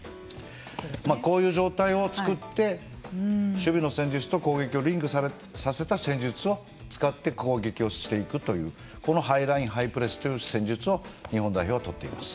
こういう状態を作って守備の戦術と攻撃をリンクさせた戦術を使って攻撃をしていくというこのハイラインハイプレスという戦術を日本代表は取っています。